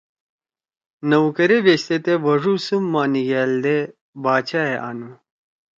نوکر ئے بیشتے تے بھوڙُو سُم ما نیِگھألدے باچا ئے آنُو۔